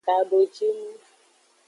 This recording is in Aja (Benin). Tadojinu.